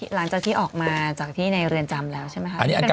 หลังจากที่ออกมาจากที่ในเรือนจำแล้วใช่ไหมคะ